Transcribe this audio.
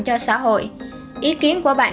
cho xã hội ý kiến của bạn